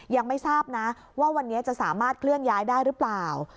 ยังไม่ทราบนะว่าวันนี้จะสามารถเคลื่อนย้ายได้หรือเปล่า